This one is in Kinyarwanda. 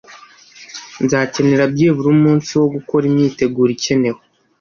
Nzakenera byibura umunsi wo gukora imyiteguro ikenewe.